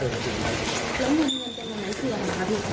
แล้วมีเงินเป็นอย่างไรคืออย่างไรครับพี่